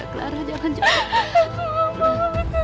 clara jangan jangan